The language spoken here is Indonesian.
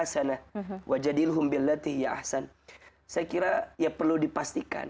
saya kira ya perlu dipastikan